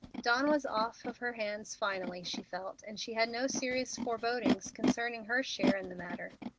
Dawn was off her hands finally, she felt, and she had no serious forebodings concerning her share in the matter.